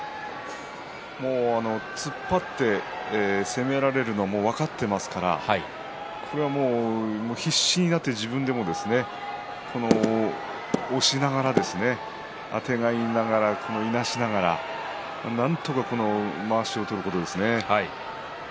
突っ張って攻められるのも分かっていますから必死になって自分でも押しながらあてがいながらいなしながらなんとかまわしを取ることですね。